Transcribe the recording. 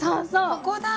ここだ。